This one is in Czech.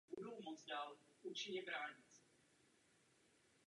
Měli bychom to podporovat z politických důvodů.